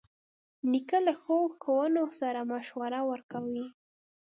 نیکه له ښو ښوونو سره مشوره ورکوي.